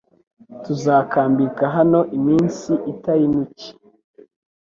Tuzakambika hano iminsi itari mike